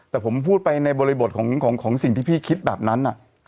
แต่ผมพูดไปในบริบทของสิ่งที่พี่คิดแบบนั้น